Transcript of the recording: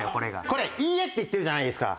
これ「いいえ」って言ってるじゃないですか。